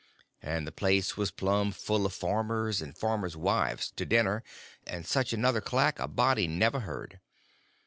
And the place was plum full of farmers and farmers' wives, to dinner; and such another clack a body never heard.